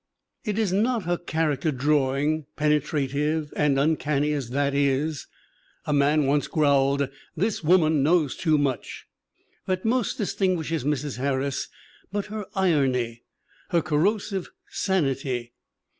It is not her character drawing, penetrative and un CORRA HARRIS 159 canny as that is a man once growled : "This woman knows too much !" that most distinguishes Mrs. Har ris but her irony, her corrosive sanity!